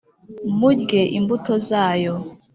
murye imbuto zayo.